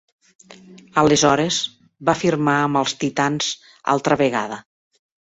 Aleshores, va firmar amb els Titans altra vegada.